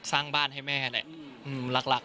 สร้างบ้านให้แม่แหละรัก